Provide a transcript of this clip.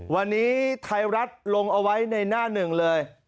วันนี้ไทยรัฐลงเอาไว้ในหน้าหนึ่งเลย